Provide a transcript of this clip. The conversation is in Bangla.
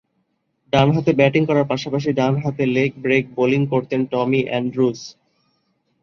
ডানহাতে ব্যাটিং করার পাশাপাশি ডানহাতে লেগ ব্রেক বোলিং করতে পারতেন টমি অ্যান্ড্রুজ।